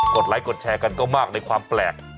ไลค์กดแชร์กันก็มากในความแปลก